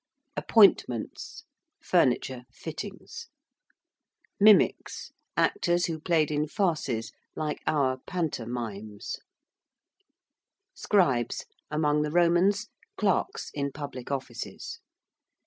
~appointments~: furniture, fittings. ~mimics~: actors who played in farces, like our panto_mimes_. ~scribes~: among the Romans, clerks in public offices.